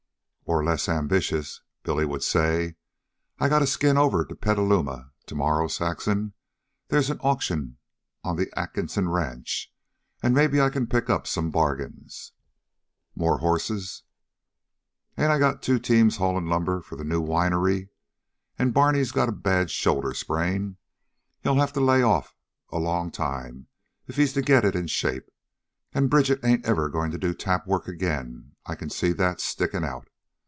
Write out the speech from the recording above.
Or, less ambitious, Billy would say: "I gotta skin over to Petaluma to morrow, Saxon. They's an auction on the Atkinson Ranch an' maybe I can pick up some bargains." "More horses!" "Ain't I got two teams haulin' lumber for the new winery? An' Barney's got a bad shoulder sprain. He'll have to lay off a long time if he's to get it in shape. An' Bridget ain't ever goin' to do a tap of work again. I can see that stickin' out.